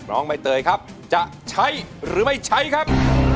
น้องใบเตยครับจะใช้หรือไม่ใช้ครับ